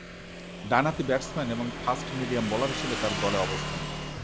ডানহাতি ব্যাটসম্যান এবং fast medium bowler হিসেবে তার দলে অবস্থান।